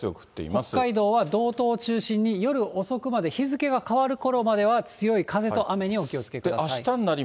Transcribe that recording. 北海道は道東を中心に、夜遅くまで日付が変わるころまでは強い風と雨にお気をつけください。